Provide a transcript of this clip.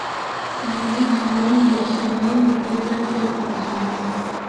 maeneo fulani biashara hii ilijenga pia kizuizi